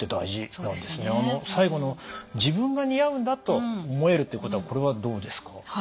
あの最後の「自分が似合うんだと思える」っていうことはこれはどうですか？